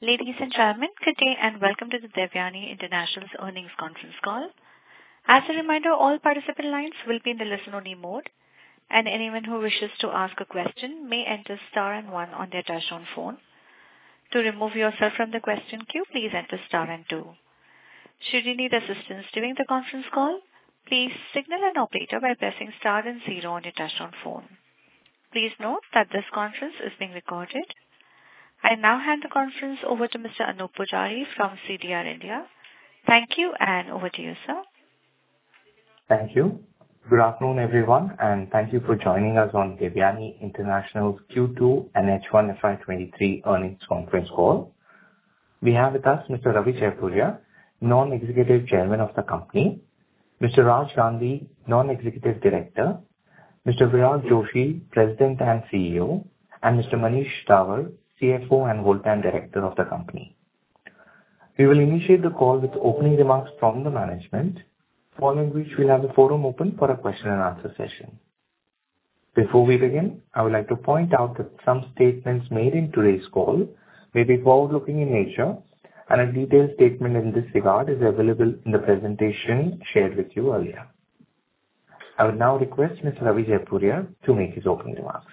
Ladies and gentlemen, good day, and welcome to the Devyani International's Earnings Conference Call. As a reminder, all participant lines will be in the listen only mode, and anyone who wishes to ask a question may enter star and one on their touchtone phone. To remove yourself from the question queue, please enter star and two. Should you need assistance during the conference call, please signal an operator by pressing star and zero on your touchtone phone. Please note that this conference is being recorded. I now hand the conference over to Mr. Anoop Poojari from CDR India. Thank you, and over to you, sir. Thank you. Good afternoon, everyone, and thank you for joining us on Devyani International's Q2 and H1 FY 23 Earnings Conference Call. We have with us Mr. Ravi Jaipuria, Non-Executive Chairman of the Company, Mr. Raj Gandhi, Non-Executive Director, Mr. Virag Joshi, President and CEO, and Mr. Manish Dawar, CFO and Whole Time Director of the Company. We will initiate the call with opening remarks from the management, following which we'll have the forum open for a question and answer session. Before we begin, I would like to point out that some statements made in today's call may be forward-looking in nature, and a detailed statement in this regard is available in the presentation shared with you earlier. I would now request Mr. Ravi Jaipuria to make his opening remarks.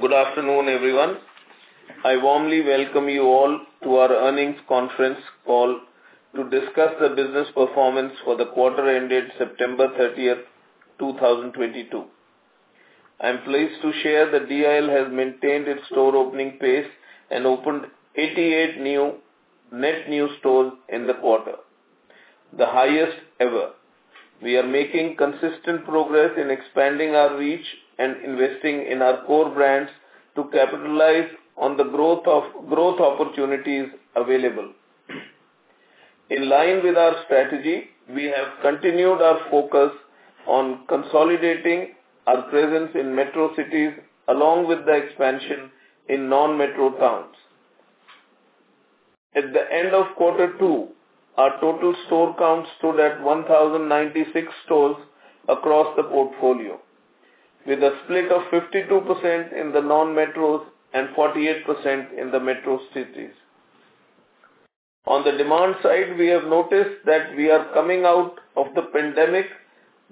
Good afternoon, everyone. I warmly welcome you all to our earnings conference call to discuss the business performance for the quarter ending September 30, 2022. I am pleased to share that DIL has maintained its store opening pace and opened 88 net new stores in the quarter, the highest ever. We are making consistent progress in expanding our reach and investing in our core brands to capitalize on the growth of growth opportunities available. In line with our strategy, we have continued our focus on consolidating our presence in metro cities along with the expansion in non-metro towns. At the end of quarter two, our total store count stood at 1,096 stores across the portfolio, with a split of 52% in the non-metros and 48% in the metro cities. On the demand side, we have noticed that we are coming out of the pandemic.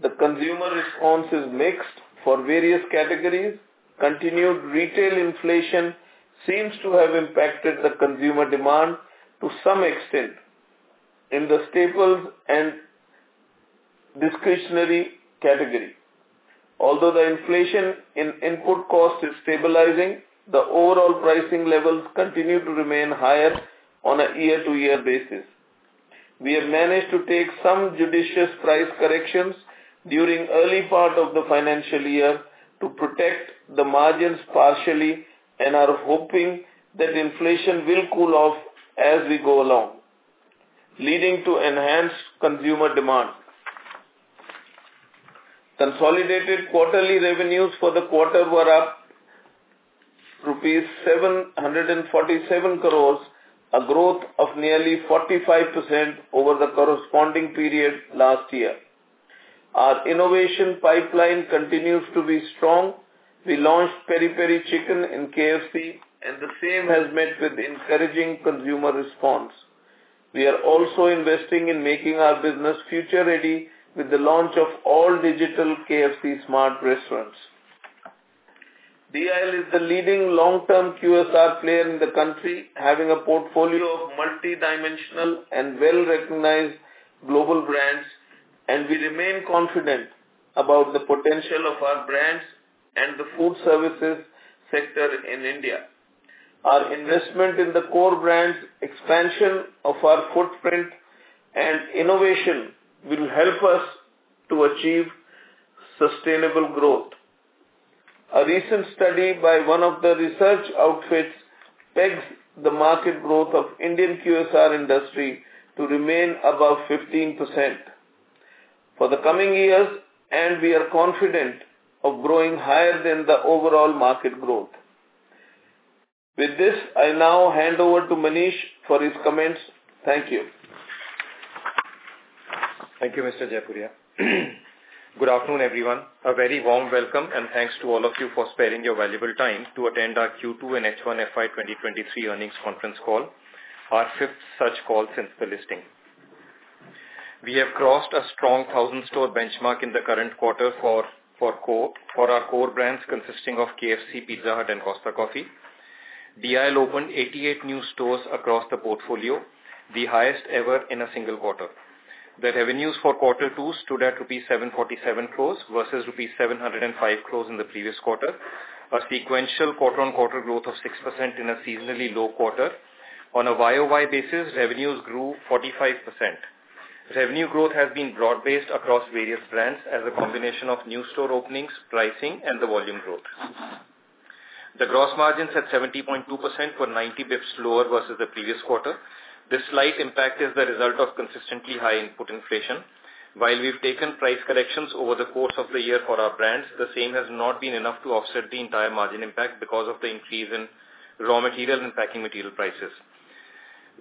The consumer response is mixed for various categories. Continued retail inflation seems to have impacted the consumer demand to some extent in the staples and discretionary category. Although the inflation in input costs is stabilizing, the overall pricing levels continue to remain higher on a year-to-year basis. We have managed to take some judicious price corrections during early part of the financial year to protect the margins partially and are hoping that inflation will cool off as we go along, leading to enhanced consumer demand. Consolidated quarterly revenues for the quarter were up rupees 747 crores, a growth of nearly 45% over the corresponding period last year. Our innovation pipeline continues to be strong. We launched Peri Peri Chicken in KFC, and the same has met with encouraging consumer response. We are also investing in making our business future-ready with the launch of all-digital KFC Smart Restaurants. DIL is the leading long-term QSR player in the country, having a portfolio of multidimensional and well-recognized global brands, and we remain confident about the potential of our brands and the food services sector in India. Our investment in the core brands, expansion of our footprint, and innovation will help us to achieve sustainable growth. A recent study by one of the research outfits pegs the market growth of Indian QSR industry to remain above 15% for the coming years, and we are confident of growing higher than the overall market growth. With this, I now hand over to Manish for his comments. Thank you. Thank you, Mr. Jaipuria. Good afternoon, everyone. A very warm welcome and thanks to all of you for sparing your valuable time to attend our Q2 and H1 FY 2023 earnings conference call, our fifth such call since the listing. We have crossed a strong 1,000-store benchmark in the current quarter for our core brands consisting of KFC, Pizza Hut and Costa Coffee. DIL opened 88 new stores across the portfolio, the highest ever in a single quarter. The revenues for quarter two stood at rupees 747 crore versus rupees 705 crore in the previous quarter, a sequential quarter-on-quarter growth of 6% in a seasonally low quarter. On a YOY basis, revenues grew 45%. Revenue growth has been broad-based across various brands as a combination of new store openings, pricing and the volume growth. The gross margins at 70.2% were 90 basis points lower versus the previous quarter. This slight impact is the result of consistently high input inflation. While we've taken price corrections over the course of the year for our brands, the same has not been enough to offset the entire margin impact because of the increase in raw material and packaging material prices.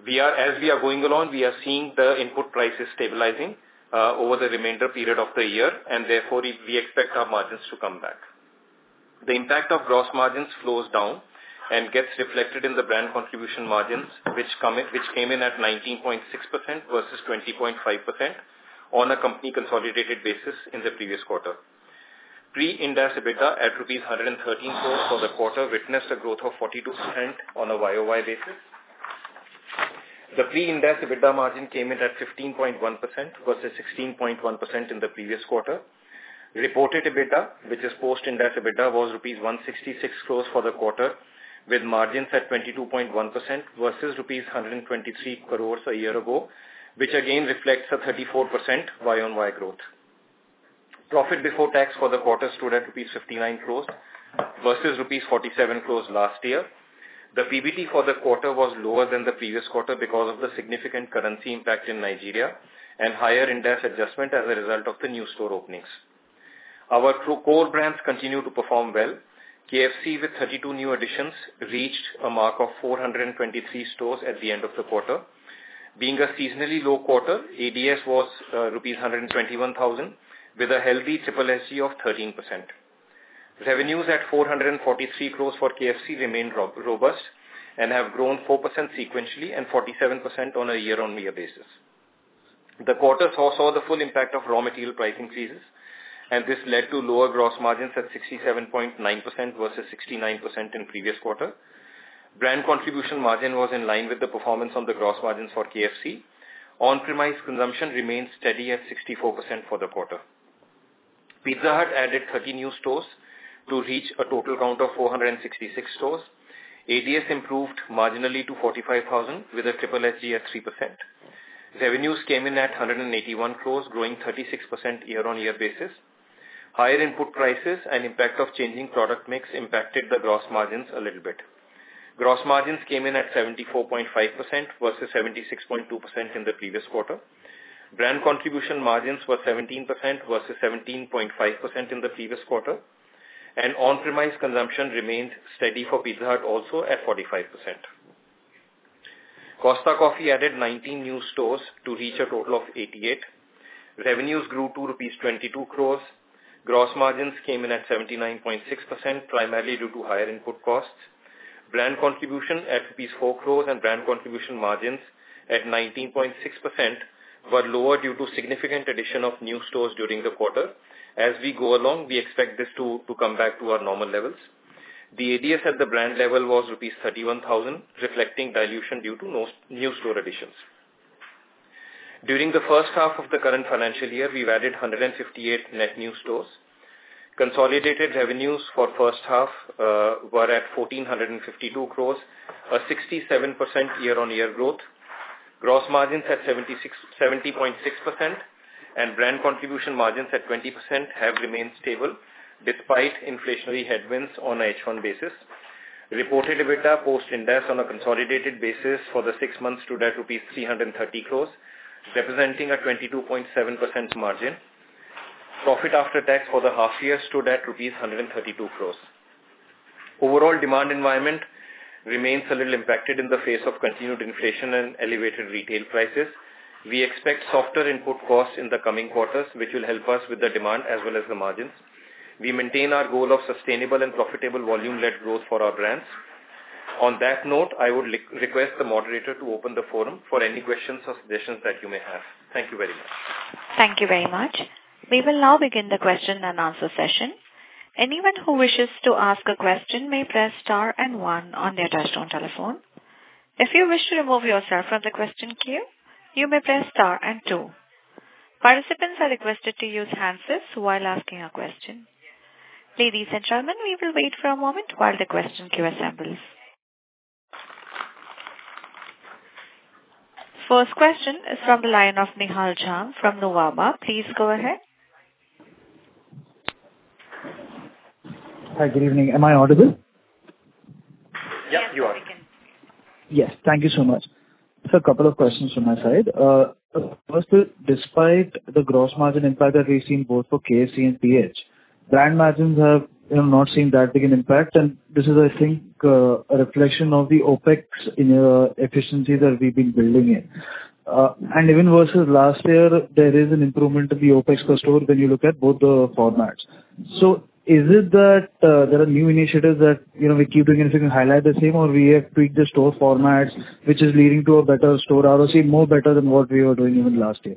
As we are going along, we are seeing the input prices stabilizing over the remainder period of the year and therefore we expect our margins to come back. The impact of gross margins slows down and gets reflected in the brand contribution margins, which came in at 19.6% versus 20.5% on a company consolidated basis in the previous quarter. Pre-Ind AS EBITDA at INR 113 crore for the quarter witnessed a growth of 42% on a YOY basis. The pre-Ind AS EBITDA margin came in at 15.1% versus 16.1% in the previous quarter. Reported EBITDA, which is post-Ind AS EBITDA, was rupees 166 crore for the quarter, with margins at 22.1% versus rupees 123 crore a year ago, which again reflects a 34% YOY growth. Profit before tax for the quarter stood at rupees 59 crore versus rupees 47 crore last year. The PBT for the quarter was lower than the previous quarter because of the significant currency impact in Nigeria and higher Ind AS adjustment as a result of the new store openings. Our core brands continue to perform well. KFC, with 32 new additions, reached a mark of 423 stores at the end of the quarter. Being a seasonally low quarter, ADS was INR 121,000, with a healthy SSSG of 13%. Revenues at 443 crore for KFC remained robust and have grown 4% sequentially and 47% on a year-on-year basis. The quarter also saw the full impact of raw material price increases, and this led to lower gross margins at 67.9% versus 69% in previous quarter. Brand contribution margin was in line with the performance on the gross margins for KFC. On-premise consumption remained steady at 64% for the quarter. Pizza Hut added 30 new stores to reach a total count of 466 stores. ADS improved marginally to 45,000, with a SSSG at 3%. Revenues came in at 181 crore, growing 36% year-on-year basis. Higher input prices and impact of changing product mix impacted the gross margins a little bit. Gross margins came in at 74.5% versus 76.2% in the previous quarter. Brand contribution margins were 17% versus 17.5% in the previous quarter, and on-premise consumption remained steady for Pizza Hut also at 45%. Costa Coffee added 19 new stores to reach a total of 88. Revenues grew to 22 crore. Gross margins came in at 79.6%, primarily due to higher input costs. Brand contribution at INR 4 crore and brand contribution margins at 19.6% were lower due to significant addition of new stores during the quarter. As we go along, we expect this to come back to our normal levels. The ADS at the brand level was 31,000 rupees, reflecting dilution due to new store additions. During the first half of the current financial year, we've added 158 net new stores. Consolidated revenues for first half were at 1,452 crore, a 67% year-on-year growth. Gross margins at 70.6% and brand contribution margins at 20% have remained stable despite inflationary headwinds on H1 basis. Reported EBITDA post-Ind AS on a consolidated basis for the six months stood at rupees 330 crore, representing a 22.7% margin. Profit after tax for the half year stood at rupees 132 crore. Overall demand environment remains a little impacted in the face of continued inflation and elevated retail prices. We expect softer input costs in the coming quarters, which will help us with the demand as well as the margins. We maintain our goal of sustainable and profitable volume-led growth for our brands. On that note, I would re-request the moderator to open the forum for any questions or suggestions that you may have. Thank you very much. Thank you very much. We will now begin the question and answer session. Anyone who wishes to ask a question may press star and one on their touchtone telephone. If you wish to remove yourself from the question queue, you may press star and two. Participants are requested to use hands-free while asking a question. Ladies and gentlemen, we will wait for a moment while the question queue assembles. First question is from the line of Nihal Jham from Nuvama. Please go ahead. Hi. Good evening. Am I audible? Yeah, you are. Yes, we can. Yes. Thank you so much. A couple of questions from my side. First, despite the gross margin impact that we've seen both for KFC and PH, brand margins have not seen that big an impact and this is, I think, a reflection of the OpEx inefficiencies that we've been building in. Even versus last year there is an improvement of the OpEx per store when you look at both the formats. Is it that there are new initiatives that we keep doing and if you can highlight the same or we have tweaked the store formats which is leading to a better store ROC, more better than what we were doing even last year?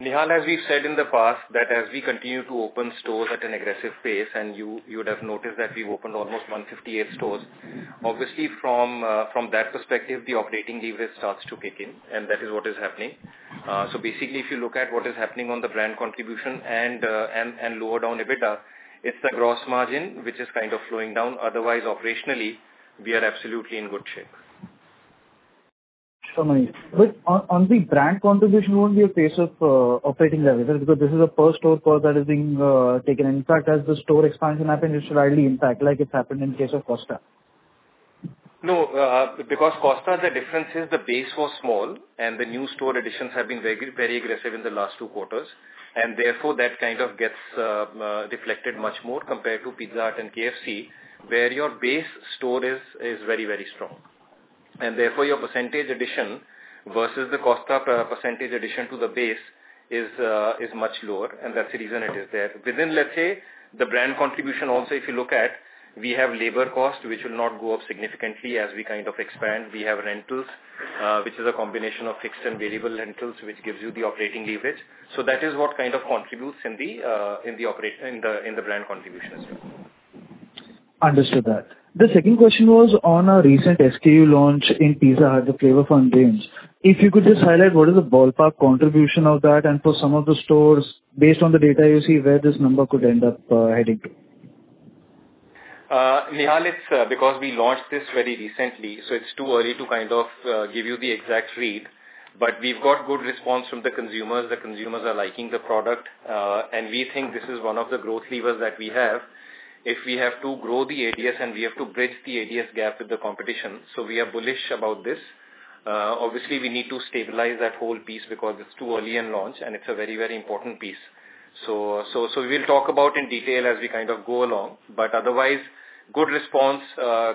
Nihal, as we've said in the past, that as we continue to open stores at an aggressive pace, and you would have noticed that we've opened almost 158 stores. Obviously from that perspective the operating leverage starts to kick in and that is what is happening. Basically if you look at what is happening on the brand contribution and lower down EBITDA, it's the gross margin which is kind of slowing down. Otherwise operationally we are absolutely in good shape. Sure, Manish. On the brand contribution, it won't be a case of operating leverage because this is a per store cost that is being taken. In fact, as the store expansion happens it should rightly impact like it's happened in case of Costa. No, because Costa the difference is the base was small and the new store additions have been very aggressive in the last two quarters and therefore that kind of gets reflected much more compared to Pizza Hut and KFC where your base store is very strong. Therefore your percentage addition versus the Costa percentage addition to the base is much lower, and that's the reason it is there. Within, let's say, the brand contribution also if you look at, we have labor cost, which will not go up significantly as we kind of expand. We have rentals, which is a combination of fixed and variable rentals, which gives you the operating leverage. That is what kind of contributes in the brand contribution. Understood that. The second question was on a recent SKU launch in Pizza Hut, the Flavour Fun Range. If you could just highlight what is the ballpark contribution of that and for some of the stores, based on the data you see, where this number could end up heading to. Nihal, it's because we launched this very recently, so it's too early to kind of give you the exact read. We've got good response from the consumers. The consumers are liking the product. We think this is one of the growth levers that we have if we have to grow the ADS and we have to bridge the ADS gap with the competition. We are bullish about this. Obviously we need to stabilize that whole piece because it's too early in launch, and it's a very, very important piece. We'll talk about in detail as we kind of go along. Otherwise, good response.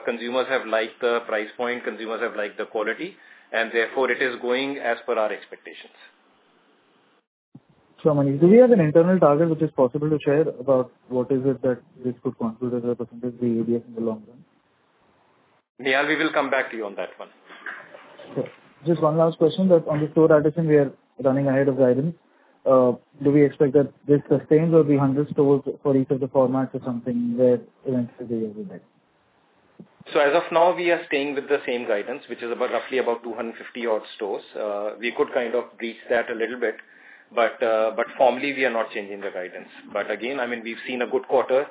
Consumers have liked the price point, consumers have liked the quality, and therefore it is going as per our expectations. Manish, do we have an internal target which is possible to share about what is it that this could contribute as a percentage of the ADS in the long run? Nihal, we will come back to you on that one. Sure. Just one last question, that on the store addition, we are running ahead of the guidance. Do we expect that this sustains or be 100 stores for each of the formats or something where eventually you will be back? As of now we are staying with the same guidance, which is about roughly about 250 odd stores. We could kind of breach that a little bit, but formally we are not changing the guidance. Again, I mean, we've seen a good quarter,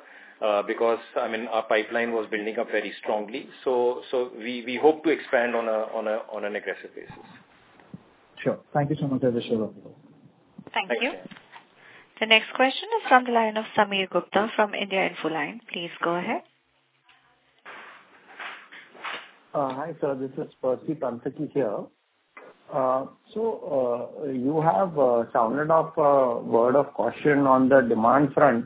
because, I mean, our pipeline was building up very strongly. We hope to expand on an aggressive basis. Sure. Thank you so much. I appreciate it. Thank you. Thank you. The next question is from the line of Sameer Gupta from IndiaInfoline. Please go ahead. Hi, sir. This is Percy Panthaki here. You have sounded off a word of caution on the demand front.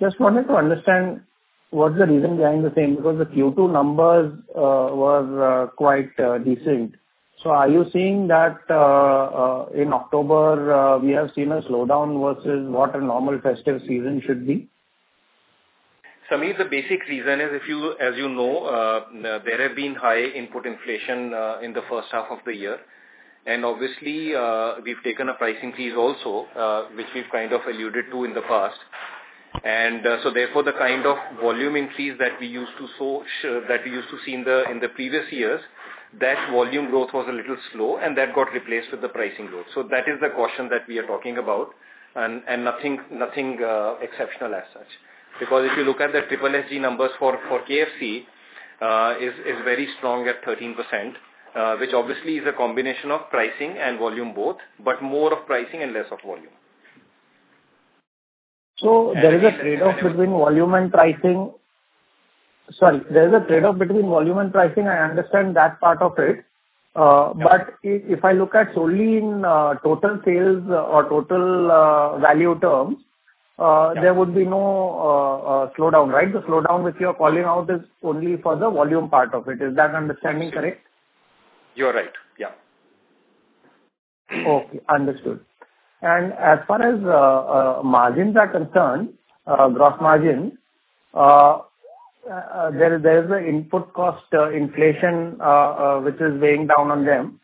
Just wanted to understand what's the reason behind the same, because the Q2 numbers were quite decent. Are you saying that in October we have seen a slowdown versus what a normal festive season should be? Sameer, the basic reason is as you know, there have been high input inflation in the first half of the year. Obviously, we've taken a pricing fees also, which we've kind of alluded to in the past. Therefore the kind of volume increase that we used to see in the previous years, that volume growth was a little slow, and that got replaced with the pricing growth. That is the caution that we are talking about and nothing exceptional as such. Because if you look at the SSG numbers for KFC is very strong at 13%, which obviously is a combination of pricing and volume both, but more of pricing and less of volume. There is a trade-off between volume and pricing. Sorry. There is a trade-off between volume and pricing, I understand that part of it. But if I look at solely in total sales or total value terms, there would be no slowdown, right? The slowdown which you are calling out is only for the volume part of it. Is that understanding correct? You are right. Yeah. Okay. Understood. As far as margins are concerned, gross margin, there is a input cost inflation which is weighing down on them.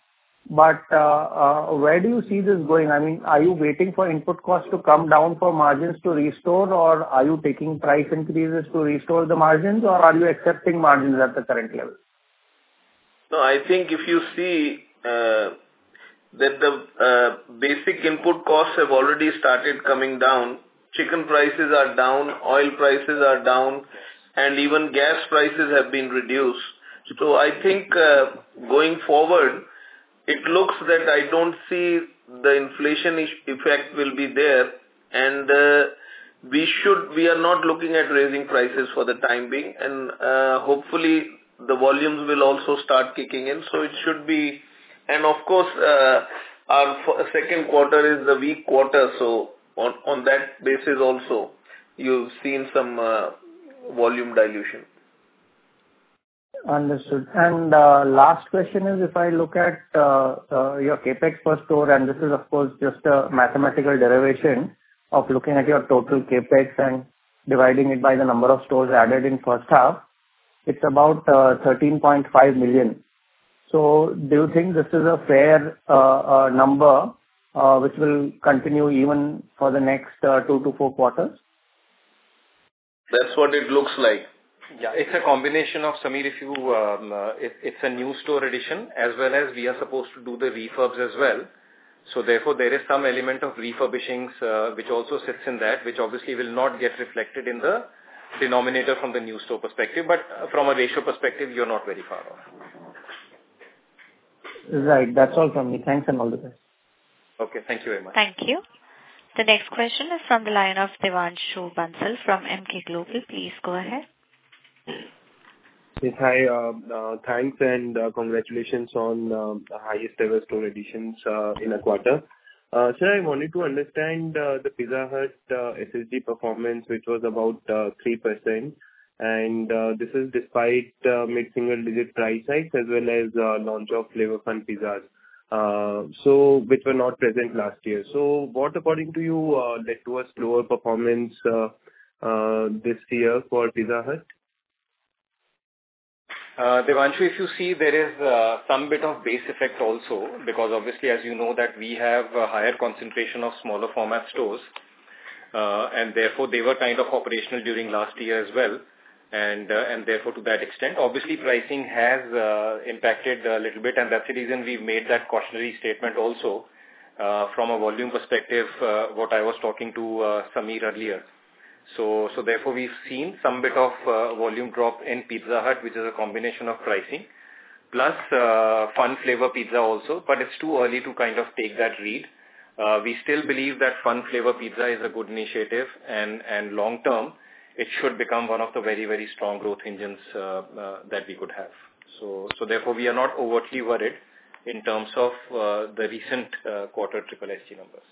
Where do you see this going? I mean, are you waiting for input costs to come down for margins to restore, or are you taking price increases to restore the margins, or are you accepting margins at the current level? No, I think if you see that the basic input costs have already started coming down. Chicken prices are down, oil prices are down, and even gas prices have been reduced. I think going forward, it looks that I don't see the inflation effect will be there and we are not looking at raising prices for the time being. Hopefully the volumes will also start kicking in. It should be. Of course, our second quarter is a weak quarter, so on that basis also, you've seen some volume dilution. Understood. Last question is, if I look at your CapEx per store, and this is of course just a mathematical derivation of looking at your total CapEx and dividing it by the number of stores added in first half, it's about 13.5 million. Do you think this is a fair number which will continue even for the next 2-4 quarters? That's what it looks like. Yeah. It's a combination of, Sameer, it's a new store addition as well as we are supposed to do the refurbs as well. Therefore there is some element of refurbishments, which also sits in that, which obviously will not get reflected in the denominator from the new store perspective. From a ratio perspective, you're not very far off. Right. That's all from me. Thanks and all the best. Okay, thank you very much. Thank you. The next question is from the line of Devanshu Bansal from Emkay Global. Please go ahead. Yes, hi, thanks and congratulations on the highest ever store additions in a quarter. I wanted to understand the Pizza Hut SSSG performance, which was about 3% and this is despite mid-single digit price hikes as well as launch of Flavor Fun Pizzas, so which according to you led to a slower performance this year for Pizza Hut? Devansh, if you see there is some bit of base effect also because obviously as you know that we have a higher concentration of smaller format stores and therefore they were kind of operational during last year as well and therefore to that extent, obviously pricing has impacted a little bit and that's the reason we've made that cautionary statement also from a volume perspective what I was talking to Sameer earlier. Therefore, we've seen some bit of volume drop in Pizza Hut, which is a combination of pricing plus Fun Flavor Pizza also. It's too early to kind of take that read. We still believe that Fun Flavor Pizza is a good initiative and long term it should become one of the very strong growth engines that we could have. Therefore, we are not overtly worried in terms of the recent quarter SSSG numbers.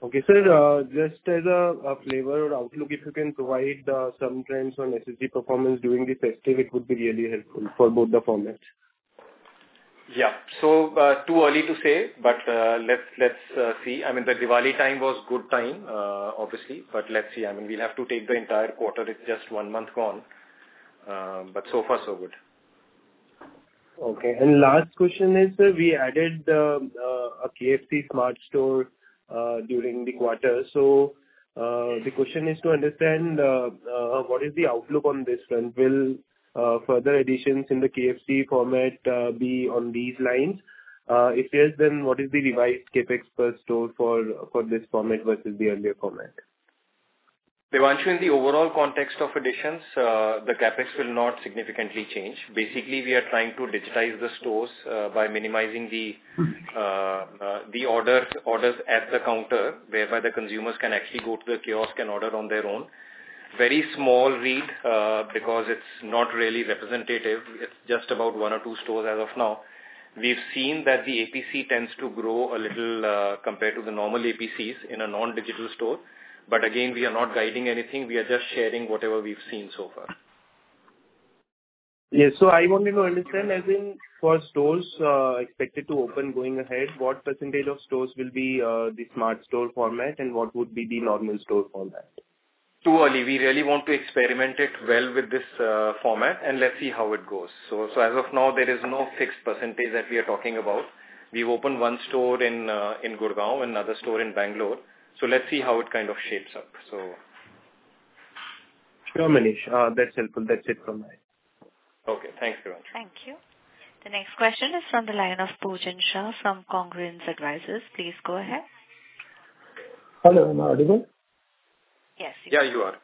Okay. Sir, just as a flavor or outlook, if you can provide some trends on SSSG performance during the festive, it would be really helpful for both the formats. Yeah. Too early to say, but let's see. I mean the Diwali time was good time, obviously, but let's see. I mean, we'll have to take the entire quarter. It's just one month gone. So far so good. Okay. Last question is that we added a KFC Smart store during the quarter. The question is to understand what is the outlook on this front? Will further additions in the KFC format be on these lines? If yes, then what is the revised CapEx per store for this format versus the earlier format? Devansh, in the overall context of additions, the CapEx will not significantly change. Basically, we are trying to digitize the stores by minimizing the orders at the counter, whereby the consumers can actually go to the kiosk and order on their own. Very small read because it's not really representative. It's just about 1 or 2 stores as of now. We've seen that the APC tends to grow a little compared to the normal APCs in a non-digital store. Again, we are not guiding anything. We are just sharing whatever we've seen so far. Yes. I wanted to understand, as in for stores expected to open going ahead, what percentage of stores will be the smart store format and what would be the normal store format? Too early. We really want to experiment it well with this, format and let's see how it goes. As of now, there is no fixed percentage that we are talking about. We've opened one store in Gurgaon, another store in Bangalore. Let's see how it kind of shapes up, so. Sure, Manish. That's helpful. That's it from my end. Okay. Thanks, Devansh. Thank you. The next question is from the line of Pujan Shah from Congruence Advisors. Please go ahead. Hello, am I audible? Yes. Yeah, you are.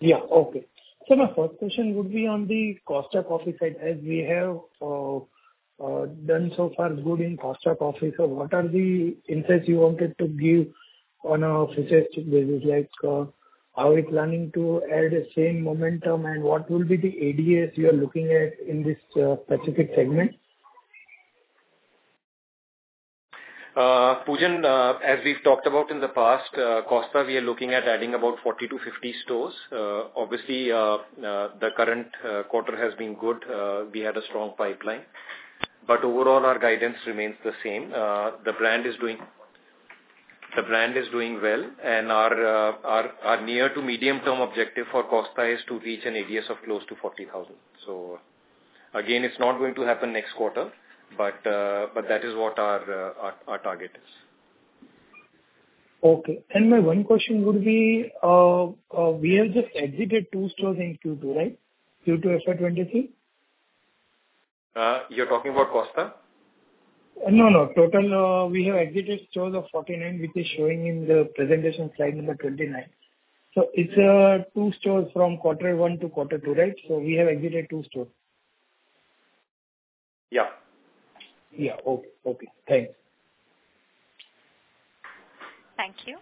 Yeah. Okay. My first question would be on the Costa Coffee side, as we have done so far good in Costa Coffee. What are the insights you wanted to give on a futuristic basis? Like, are we planning to add the same momentum? And what will be the ADS you are looking at in this specific segment? Poojan, as we've talked about in the past, Costa, we are looking at adding about 40-50 stores. Obviously, the current quarter has been good. We had a strong pipeline, but overall our guidance remains the same. The brand is doing well, and our near to medium term objective for Costa is to reach an ADS of close to 40,000. It's not going to happen next quarter. That is what our target is. Okay. My one question would be, we have just exited 2 stores in Q2, right? Q2 FY23. You're talking about Costa? No, no. Total, we have exited stores of 49, which is showing in the presentation slide number 29. It's two stores from quarter 1 to quarter 2, right? We have exited two stores. Yeah. Yeah. Okay. Thanks. Thank you.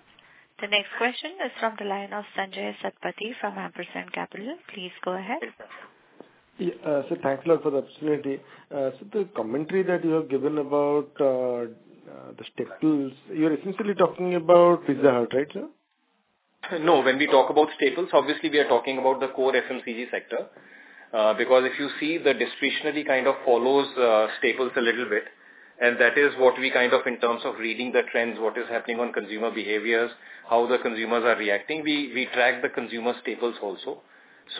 The next question is from the line of Sanjaya Satapathy from Ampersand Capital. Please go ahead. Thanks a lot for the opportunity. The commentary that you have given about the staples, you are essentially talking about Pizza Hut, right, sir? No, when we talk about staples, obviously we are talking about the core FMCG sector, because if you see the discretionary kind of follows, staples a little bit, and that is what we kind of in terms of reading the trends, what is happening on consumer behaviors, how the consumers are reacting. We track the consumer staples also.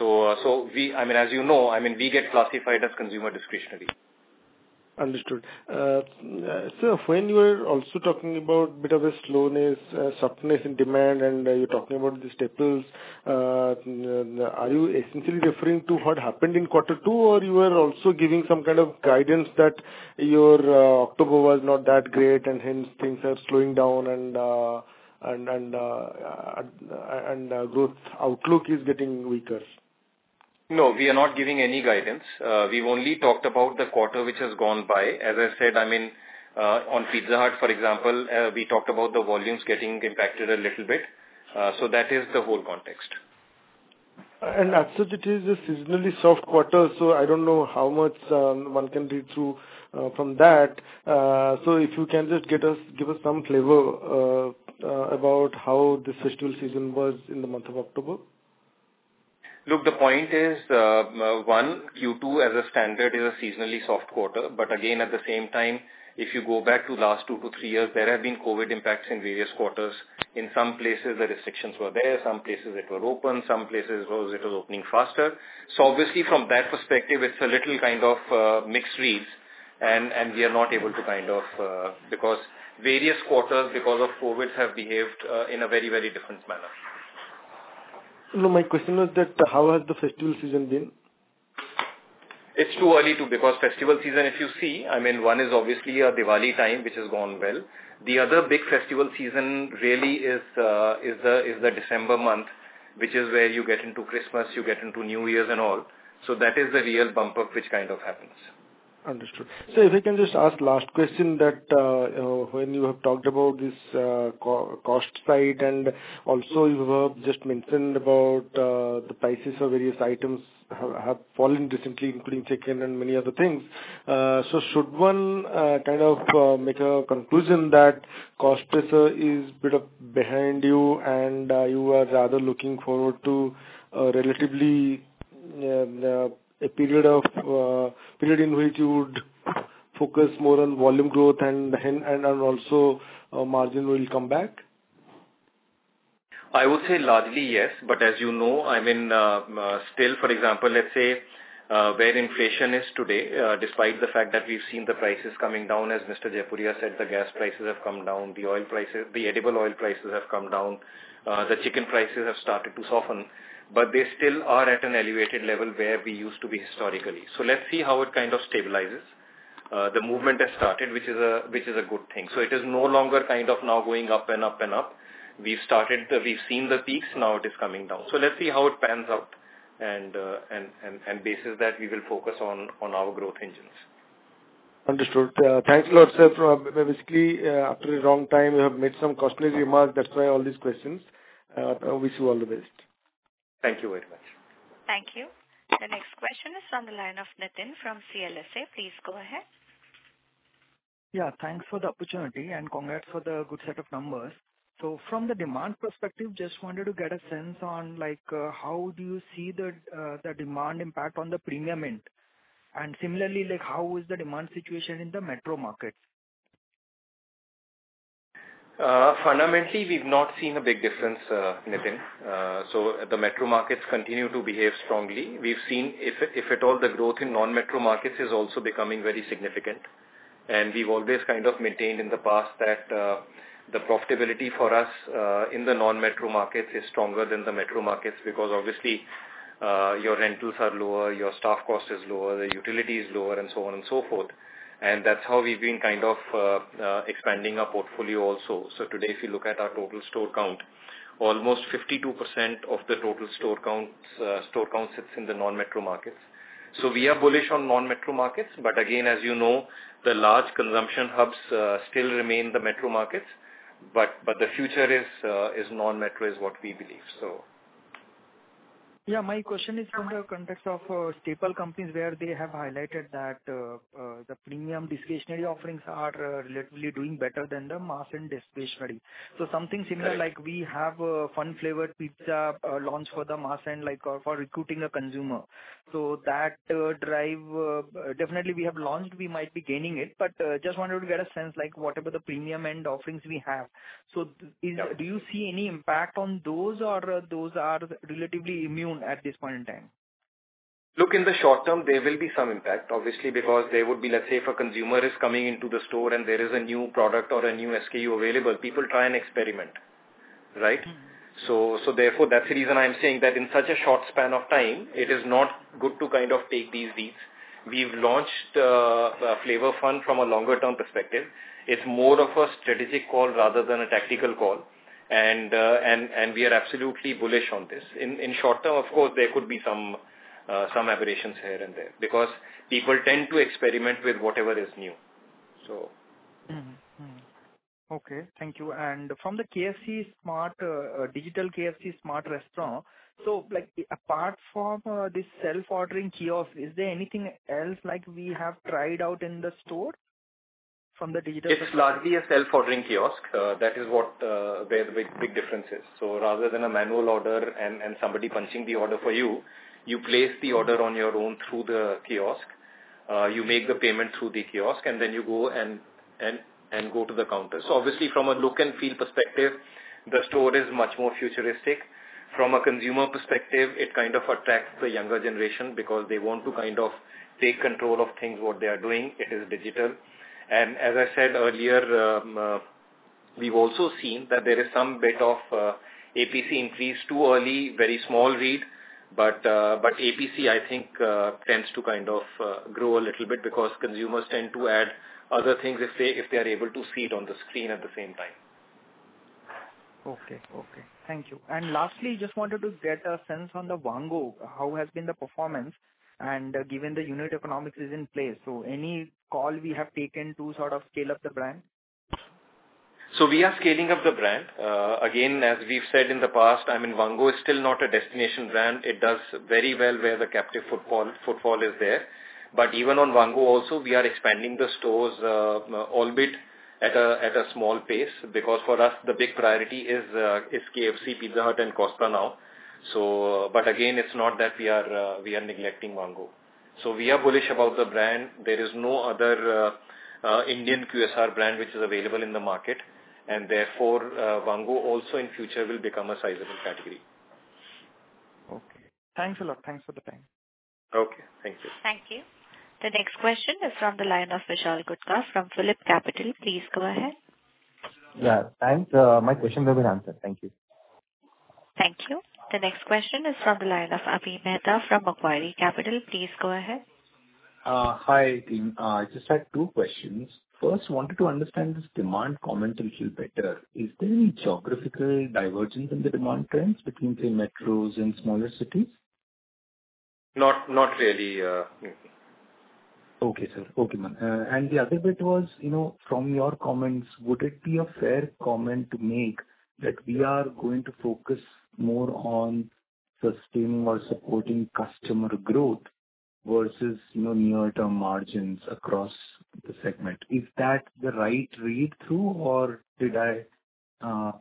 I mean, as you know, I mean we get classified as consumer discretionary. Understood. Sir, when you are also talking about a bit of a slowness, softness in demand, and you're talking about the staples, are you essentially referring to what happened in quarter two or you are also giving some kind of guidance that your October was not that great and hence things are slowing down and growth outlook is getting weaker? No, we are not giving any guidance. We've only talked about the quarter which has gone by. As I said, I mean, on Pizza Hut, for example, we talked about the volumes getting impacted a little bit. That is the whole context. As such, it is a seasonally soft quarter, so I don't know how much one can read through from that. If you can just give us some flavor about how the festival season was in the month of October. Look, the point is, 1, Q2 as a standard is a seasonally soft quarter. Again, at the same time, if you go back to last 2-3 years, there have been COVID impacts in various quarters. In some places, the restrictions were there, some places it was open, some places it was opening faster. Obviously from that perspective, it's a little kind of mixed reads and we are not able to kind of because various quarters because of COVID have behaved in a very, very different manner. No, my question was that how has the festival season been? It's too early to because festival season, if you see, I mean, one is obviously a Diwali time, which has gone well. The other big festival season really is the December month, which is where you get into Christmas, you get into New Year's and all. That is the real bump up which kind of happens. Understood. If I can just ask last question that, when you have talked about this cost side and also you have just mentioned about the prices of various items have fallen recently, including chicken and many other things. Should one kind of make a conclusion that cost pressure is a bit behind you and you are rather looking forward to relatively a period in which you would focus more on volume growth and also margin will come back? I would say largely, yes. As you know, I mean, still, for example, let's say, where inflation is today, despite the fact that we've seen the prices coming down, as Mr. Jaipuria said, the gas prices have come down, the edible oil prices have come down, the chicken prices have started to soften, but they still are at an elevated level where we used to be historically. Let's see how it kind of stabilizes. The movement has started, which is a good thing. It is no longer kind of now going up and up and up. We've seen the peaks, now it is coming down. Let's see how it pans out and basis that we will focus on our growth engines. Understood. Thanks a lot, sir. Basically, after a long time, you have made some costly remarks. That's why all these questions. Wish you all the best. Thank you very much. Thank you. The next question is on the line of Nitin from CLSA. Please go ahead. Yeah, thanks for the opportunity and congrats for the good set of numbers. From the demand perspective, just wanted to get a sense on like, how do you see the demand impact on the premium end? Similarly, like, how is the demand situation in the metro markets? Fundamentally, we've not seen a big difference, Nitin. The metro markets continue to behave strongly. We've seen, if at all, the growth in non-metro markets is also becoming very significant. We've always kind of maintained in the past that the profitability for us in the non-metro markets is stronger than the metro markets because obviously your rentals are lower, your staff cost is lower, the utility is lower, and so on and so forth. That's how we've been kind of expanding our portfolio also. Today, if you look at our total store count, almost 52% of the total store count sits in the non-metro markets. We are bullish on non-metro markets. Again, as you know, the large consumption hubs still remain the metro markets. The future is non-metro, is what we believe so. Yeah. My question is from the context of staple companies where they have highlighted that the premium discretionary offerings are relatively doing better than the mass end discretionary. Something similar like we have a Fun Flavor Pizza launch for the mass end, like for recruiting a consumer. That drive definitely we have launched, we might be gaining it, but just wanted to get a sense like what about the premium end offerings we have. Do you see any impact on those or those are relatively immune at this point in time? Look, in the short term, there will be some impact, obviously, because there would be, let's say if a consumer is coming into the store and there is a new product or a new SKU available, people try and experiment, right? Therefore, that's the reason I'm saying that in such a short span of time, it is not good to kind of take these leads. We've launched Flavor Fun from a longer term perspective. It's more of a strategic call rather than a tactical call. We are absolutely bullish on this. In short term, of course, there could be some aberrations here and there because people tend to experiment with whatever is new. Okay. Thank you. From the KFC Smart digital KFC Smart Restaurants, so like apart from this self-ordering kiosk, is there anything else like we have tried out in the store from the digital? It's largely a self-ordering kiosk. That is where the big difference is. Rather than a manual order and somebody punching the order for you place the order on your own through the kiosk. You make the payment through the kiosk, and then you go to the counter. Obviously from a look and feel perspective, the store is much more futuristic. From a consumer perspective, it kind of attracts the younger generation because they want to kind of take control of things, what they are doing. It is digital. As I said earlier, we've also seen that there is some bit of APC increase too early, very small read. APC, I think, tends to kind of grow a little bit because consumers tend to add other things, let's say, if they are able to see it on the screen at the same time. Okay. Thank you. Lastly, just wanted to get a sense on the Vaango, how has been the performance and given the unit economics is in place. Any call we have taken to sort of scale up the brand? We are scaling up the brand. Again, as we've said in the past, I mean, Vaango is still not a destination brand. It does very well where the captive footfall is there. Even on Vaango also, we are expanding the stores, albeit at a small pace because for us the big priority is KFC, Pizza Hut, and Costa now. It's not that we are neglecting Vaango. We are bullish about the brand. There is no other Indian QSR brand which is available in the market, and therefore Vaango also in future will become a sizable category. Okay. Thanks a lot. Thanks for the time. Okay, thank you. Thank you. The next question is from the line of Vishal Gupta from Phillip Capital. Please go ahead. Yeah, thanks. My question has been answered. Thank you. Thank you. The next question is from the line of Avi Mehta from Macquarie Capital. Please go ahead. Hi, team. I just had two questions. First, wanted to understand this demand comment a little better. Is there any geographical divergence in the demand trends between, say, metros and smaller cities? Not really, no. Okay, sir. Okay, ma'am. The other bit was from your comments, would it be a fair comment to make that we are going to focus more on sustaining or supporting customer growth versus near-term margins across the segment? Is that the right read-through or did I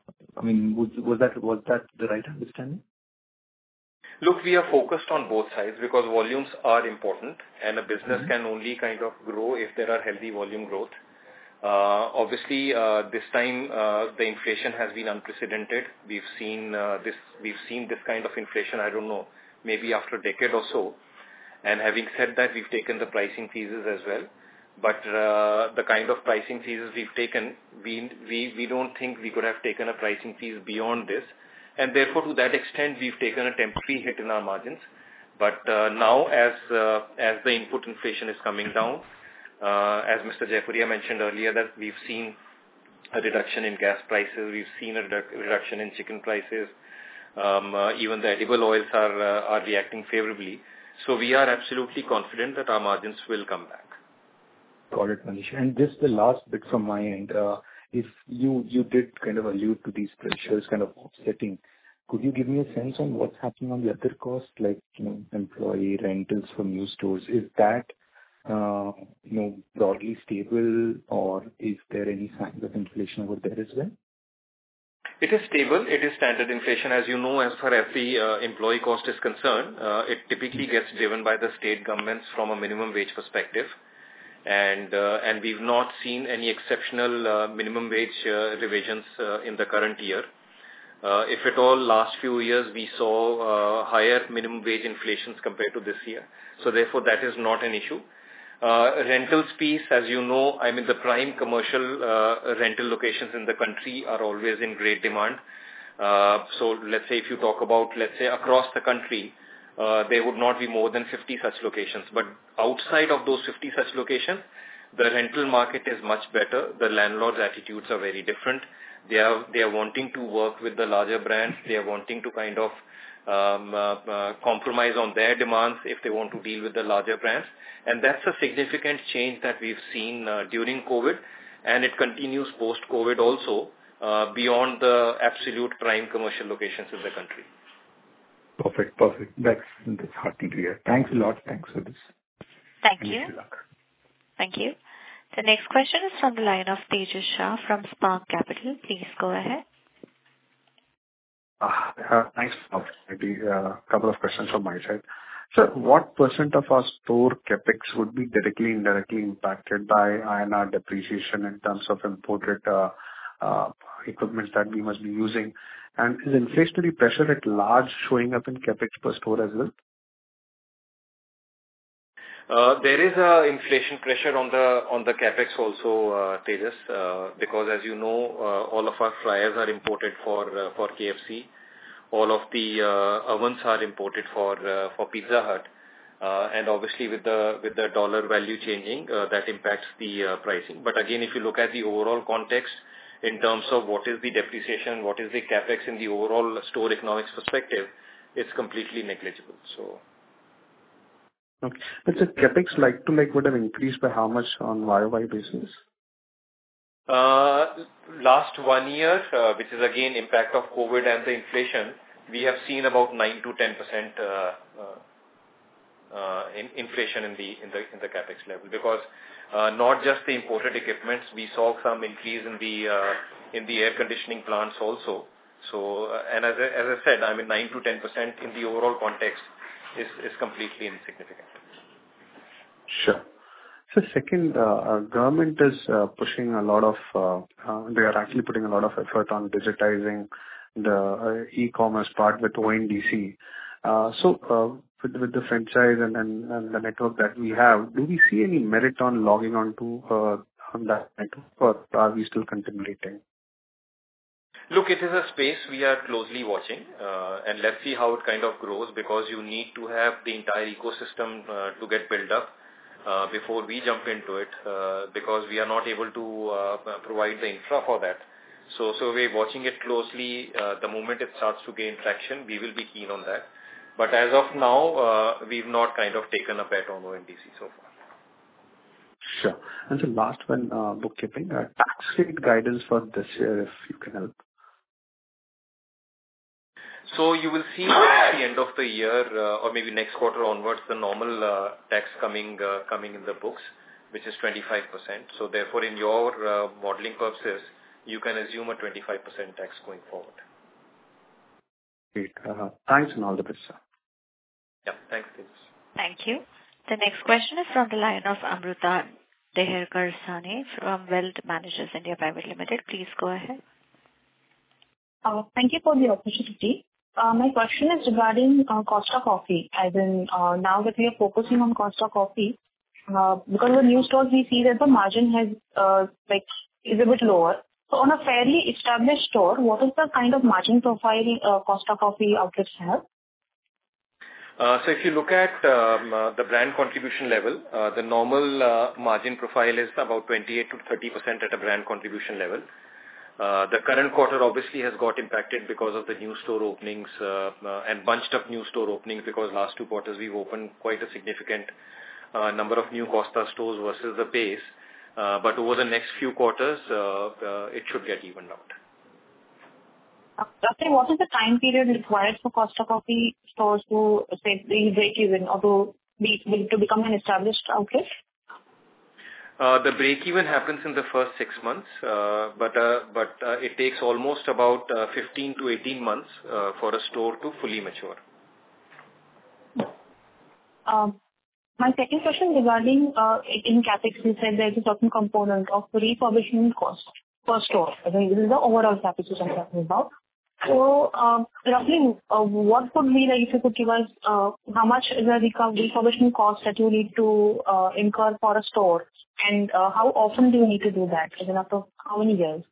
mean, was that the right understanding? Look, we are focused on both sides because volumes are important and a business can only kind of grow if there are healthy volume growth. Obviously, this time, the inflation has been unprecedented. We've seen this kind of inflation, I don't know, maybe after a decade or so. Having said that, we've taken the pricing pieces as well. The kind of pricing pieces we've taken, we don't think we could have taken a pricing piece beyond this. Therefore, to that extent, we've taken a temporary hit in our margins. Now as the input inflation is coming down, as Mr. Jaipuria mentioned earlier, that we've seen a reduction in gas prices, we've seen a reduction in chicken prices, even the edible oils are reacting favorably. We are absolutely confident that our margins will come back. Got it, Manish. Just the last bit from my end, if you did kind of allude to these pressures kind of offsetting, could you give me a sense on what's happening on the other costs like employee, rentals from new stores? Is that broadly stable or is there any signs of inflation over there as well? It is stable. It is standard inflation. As you know, as far as the employee cost is concerned, it typically gets driven by the state governments from a minimum wage perspective. We've not seen any exceptional minimum wage revisions in the current year. If at all, last few years we saw higher minimum wage inflations compared to this year, so therefore that is not an issue. Rentals piece, as you know, I mean, the prime commercial rental locations in the country are always in great demand. Let's say if you talk about, let's say, across the country, there would not be more than 50 such locations, but outside of those 50 such locations the rental market is much better. The landlords' attitudes are very different. They are wanting to work with the larger brands. They are wanting to kind of compromise on their demands if they want to deal with the larger brands. That's a significant change that we've seen during COVID and it continues post-COVID also beyond the absolute prime commercial locations in the country. Perfect. That's heartening to hear. Thanks a lot. Thanks for this. Thank you. Wish you luck. Thank you. The next question is from the line of Tejas Shah from Spark Capital. Please go ahead. Thanks for the opportunity. Couple of questions from my side. What percent of our store CapEx would be directly, indirectly impacted by INR depreciation in terms of imported equipment that we must be using? Is inflationary pressure at large showing up in CapEx per store as well? There is an inflation pressure on the CapEx also, Tejas, because as you know, all of our fryers are imported for KFC. All of the ovens are imported for Pizza Hut. Obviously with the dollar value changing, that impacts the pricing. Again, if you look at the overall context in terms of what is the depreciation, what is the CapEx in the overall store economics perspective, it's completely negligible. Okay. CapEx like to make would have increased by how much on YOY basis? Last one year, which is again impact of COVID and the inflation, we have seen about 9%-10% inflation in the CapEx level. Because not just the imported equipments, we saw some increase in the air conditioning plants also. As I said, I mean 9%-10% in the overall context is completely insignificant. Sure. Second, they are actually putting a lot of effort on digitizing the e-commerce part with ONDC. With the franchise and the network that we have, do we see any merit in logging onto that network or are we still contemplating? Look, it is a space we are closely watching, and let's see how it kind of grows because you need to have the entire ecosystem to get built up before we jump into it because we are not able to provide the infra for that. We're watching it closely. The moment it starts to gain traction, we will be keen on that. As of now, we've not kind of taken a bet on ONDC so far. Sure. The last one, bookkeeping. Tax rate guidance for this year, if you can help. You will see at the end of the year, or maybe next quarter onwards, the normal tax coming in the books, which is 25%. Therefore in your modeling purposes, you can assume a 25% tax going forward. Great. Thanks and all the best, sir. Yeah, thanks. Thank you. The next question is from the line of Amruta Deherkar Sane from Wealth Managers India Private Limited. Please go ahead. Thank you for the opportunity. My question is regarding Costa Coffee, as in, now that we are focusing on Costa Coffee, because the new stores we see that the margin has like is a bit lower. On a fairly established store, what is the kind of margin profile Costa Coffee outlets have? If you look at the brand contribution level, the normal margin profile is about 28%-30% at a brand contribution level. The current quarter obviously has got impacted because of the new store openings and bunched up new store openings because last two quarters we've opened quite a significant number of new Costa stores versus the base. Over the next few quarters, it should get evened out. Roughly, what is the time period required for Costa Coffee stores to, say, really break even or to become an established outlet? The breakeven happens in the first six months. It takes almost about 15-18 months for a store to fully mature. My second question regarding in CapEx, you said there is a certain component of refurbishment cost per store. I mean, this is the overall CapEx which I'm talking about. Roughly, what could be like if you could give us how much is the refurbishment cost that you need to incur for a store? How often do you need to do that? I mean, after how many years?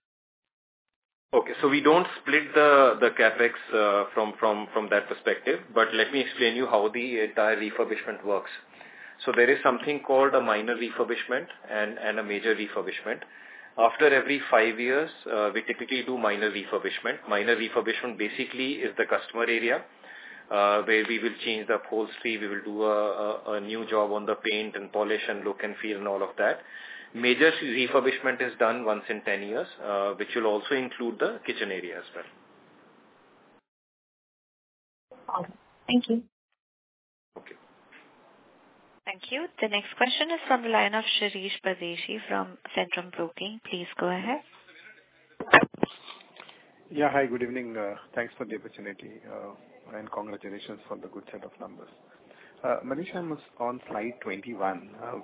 Okay. We don't split the CapEx from that perspective. Let me explain to you how the entire refurbishment works. There is something called a minor refurbishment and a major refurbishment. After every five years, we typically do minor refurbishment. Minor refurbishment basically is the customer area, where we will change the upholstery. We will do a new job on the paint and polish and look and feel and all of that. Major refurbishment is done once in 10 years, which will also include the kitchen area as well. Okay. Thank you. Okay. Thank you. The next question is from the line of Shirish Pardeshi from Centrum Broking. Please go ahead. Yeah. Hi, good evening. Thanks for the opportunity, and congratulations on the good set of numbers. Manish, I was on slide 21,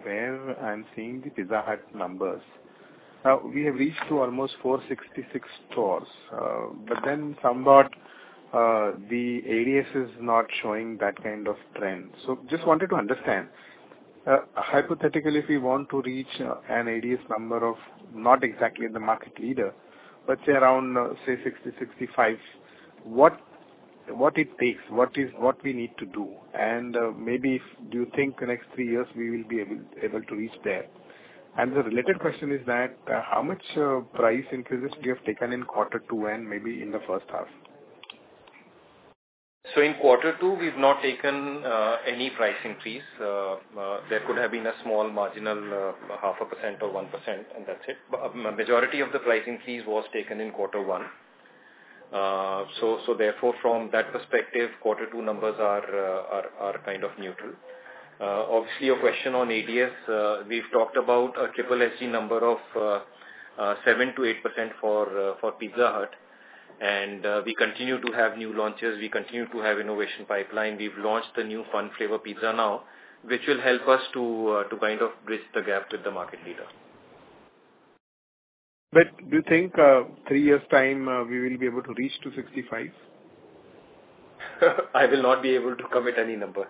where I'm seeing the Pizza Hut numbers. We have reached to almost 466 stores, but then somewhat, the ADS is not showing that kind of trend. Just wanted to understand. Hypothetically, if we want to reach an ADS number of not exactly the market leader, but say around 60-65, what it takes? What we need to do? Maybe do you think the next three years we will be able to reach there? The related question is that, how much price increases you have taken in quarter two and maybe in the first half? In quarter two, we've not taken any price increase. There could have been a small marginal 0.5% or 1%, and that's it. Majority of the price increases was taken in quarter one. Therefore from that perspective, quarter two numbers are kind of neutral. Obviously your question on ADS, we've talked about a SSSG number of 7%-8% for Pizza Hut. We continue to have new launches. We continue to have innovation pipeline. We've launched the new Fun Flavor Pizza now, which will help us to kind of bridge the gap with the market leader. Do you think, 3 years time, we will be able to reach to 65? I will not be able to commit any number.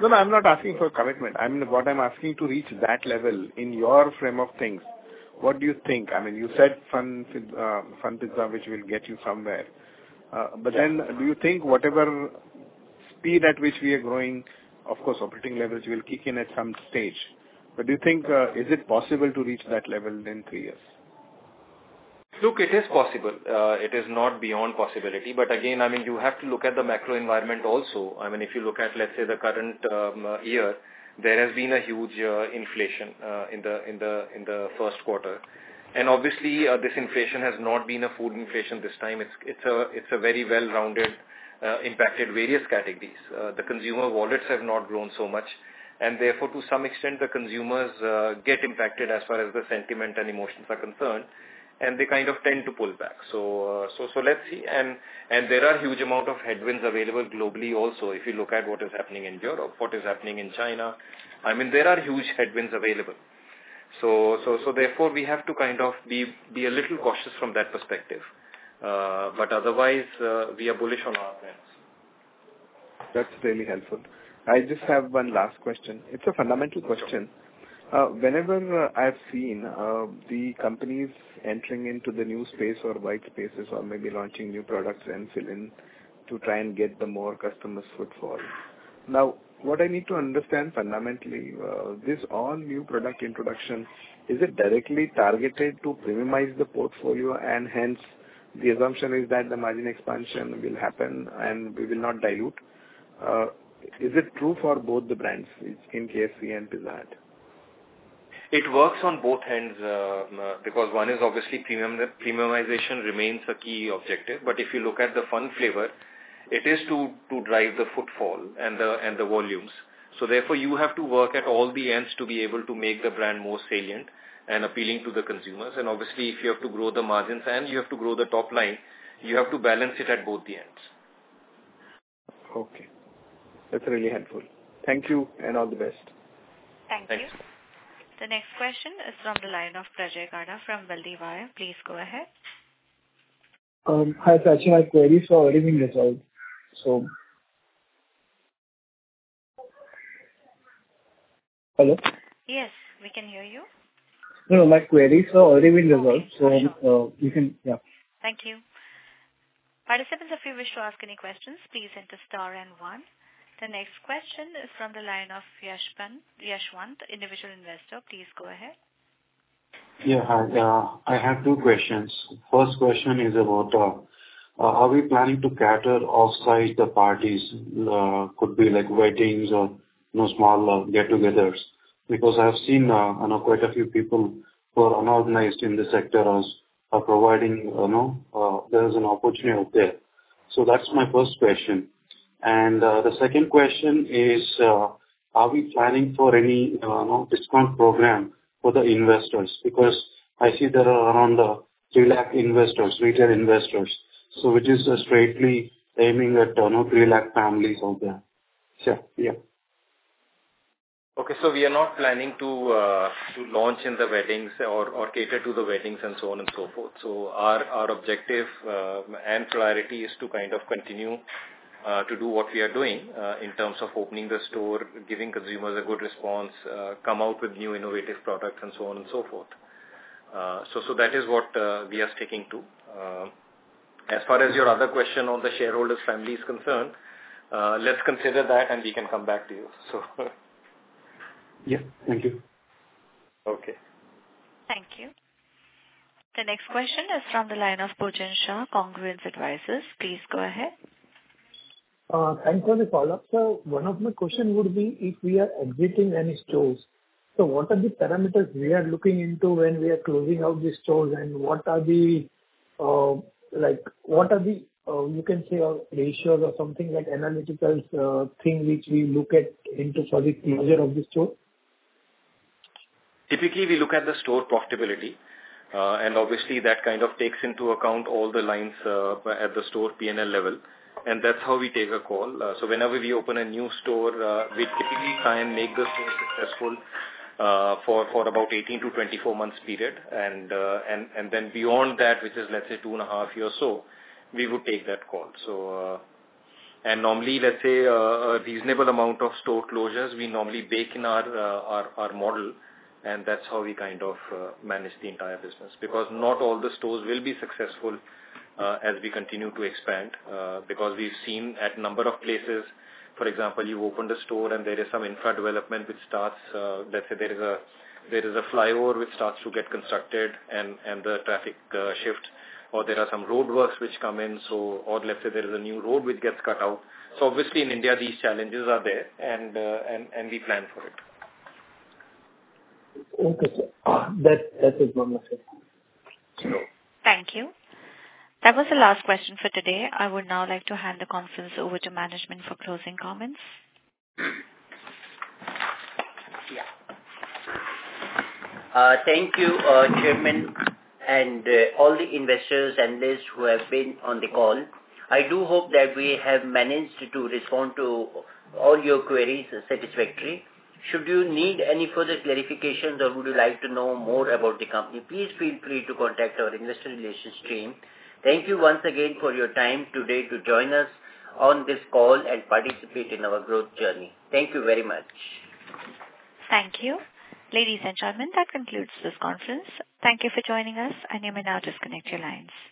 No, no, I'm not asking for commitment. I mean, what I'm asking to reach that level in your frame of things, what do you think? I mean, you said Fun Flavor Pizza, which will get you somewhere. Then do you think whatever speed at which we are growing, of course operating levels will kick in at some stage. Do you think, is it possible to reach that level in three years? Look, it is possible. It is not beyond possibility. Again, I mean, you have to look at the macro environment also. I mean, if you look at, let's say, the current year, there has been a huge inflation in the first quarter. Obviously, this inflation has not been a food inflation this time. It's a very well-rounded impact various categories. The consumer wallets have not grown so much. Therefore, to some extent, the consumers get impacted as far as the sentiment and emotions are concerned, and they kind of tend to pull back. Let's see. There are huge amount of headwinds available globally also. If you look at what is happening in Europe, what is happening in China, I mean, there are huge headwinds available. Therefore we have to kind of be a little cautious from that perspective. Otherwise, we are bullish on our plans. That's really helpful. I just have one last question. It's a fundamental question. Whenever I've seen the companies entering into the new space or white spaces or maybe launching new products and fill in to try and get more customer footfall. Now, what I need to understand fundamentally, this all new product introduction, is it directly targeted to premiumize the portfolio and hence? The assumption is that the margin expansion will happen and we will not dilute. Is it true for both the brands, it's in KFC and Pizza Hut? It works on both ends, because one is obviously premium. Premiumization remains a key objective. If you look at the Fun Flavor, it is to drive the footfall and the volumes. Therefore you have to work at all the ends to be able to make the brand more salient and appealing to the consumers. Obviously, if you have to grow the margins and you have to grow the top line, you have to balance it at both the ends. Okay. That's really helpful. Thank you and all the best. Thanks. Thank you. The next question is from the line of Prajwal Kabadaki from Valdiwa. Please go ahead. Hi, Sachin. My queries are already been resolved. Hello? Yes, we can hear you. No, no. My queries are already been resolved. Okay, sure. You can. Yeah. Thank you. Participants, if you wish to ask any questions, please enter star and one. The next question is from the line of Yashwant, Individual Investor. Please go ahead. Yeah, hi. I have two questions. First question is about are we planning to cater off-site the parties? Could be like weddings or small get-togethers. Because I have seen, I know quite a few people who are in the unorganized sector and are providing there is an opportunity out there. So that's my first question. The second question is, are we planning for any discount program for the investors? Because I see there are around 3 lakh investors, retail investors. So which is strategically aiming at 3 lakh families out there. Yeah, yeah. Okay, we are not planning to to launch in the weddings or cater to the weddings and so on and so forth. Our objective and priority is to kind of continue to do what we are doing in terms of opening the store, giving consumers a good response, come out with new innovative products and so on and so forth. That is what we are sticking to. As far as your other question on the shareholders family is concerned, let's consider that and we can come back to you. Yeah. Thank you. Okay. Thank you. The next question is from the line of Pujan Shah, Congruence Advisors. Please go ahead. Thanks for the follow-up, sir. One of my question would be if we are exiting any stores, so what are the parameters we are looking into when we are closing out these stores? What are the, like, you can say, ratios or something like analytical thing which we look at into for the closure of the store? Typically, we look at the store profitability, and obviously that kind of takes into account all the lines, at the store P&L level, and that's how we take a call. Whenever we open a new store, we typically try and make the store successful, for about 18-24 months period. Beyond that, which is let's say 2.5 years or so, we would take that call. Normally, let's say, a reasonable amount of store closures we normally bake in our model, and that's how we kind of manage the entire business. Because not all the stores will be successful as we continue to expand, because we've seen in a number of places, for example, you open the store and there is some infra development which starts, let's say there is a flyover which starts to get constructed and the traffic shifts or there are some roadworks which come in. Or let's say there is a new road which gets cut out. So obviously in India these challenges are there and we plan for it. Okay, sir. That is one message. Thank you. That was the last question for today. I would now like to hand the conference over to management for closing comments. Yeah. Thank you, chairman and, all the investors and those who have been on the call. I do hope that we have managed to respond to all your queries satisfactory. Should you need any further clarifications or would you like to know more about the company, please feel free to contact our investor relations team. Thank you once again for your time today to join us on this call and participate in our growth journey. Thank you very much. Thank you. Ladies and gentlemen, that concludes this conference. Thank you for joining us, and you may now disconnect your lines.